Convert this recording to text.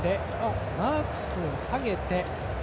マークスを下げています。